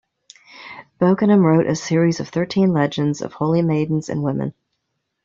Bokenam wrote a series of thirteen legends of holy maidens and women.